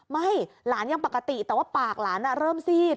ไม่หลานยังปกติแต่ว่าปากหลานเริ่มซีด